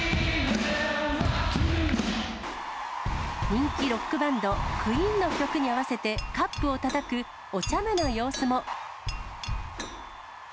人気ロックバンド、クイーンの曲に合わせて、カップをたたくおちゃめな様子も。